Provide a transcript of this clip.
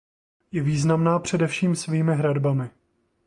Je významná především svými hradbami.